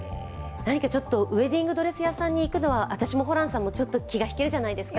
何かウエディングドレス屋さんに行くのは私もホランさんもちょっと気が引けるじゃないですか。